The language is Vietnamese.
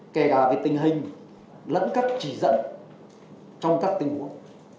kể cả về tình hình lẫn cắt chỉ dẫn trong các tình huống